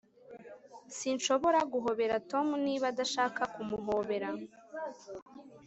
Sinshobora guhobera Tom niba adashaka kumuhobera